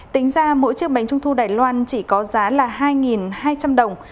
tính ra mỗi chiếc bánh trung thu đài loan chỉ có giá là hai hai trăm linh đồng